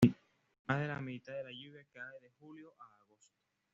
Más de la mitad de la lluvia cae de julio a agosto.